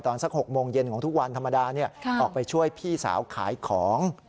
สัก๖โมงเย็นของทุกวันธรรมดาออกไปช่วยพี่สาวขายของ